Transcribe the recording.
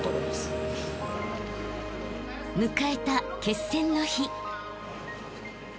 ［迎えた決戦の日］